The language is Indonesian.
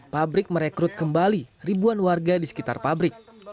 pabrik merekrut kembali ribuan warga di sekitar pabrik